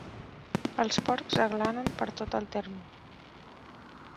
Els porcs aglanen per tot el terme.